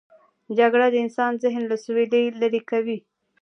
جګړه د انسان ذهن له سولې لیرې کوي